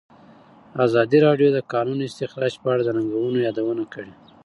ازادي راډیو د د کانونو استخراج په اړه د ننګونو یادونه کړې.